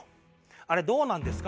あれどうなんですか？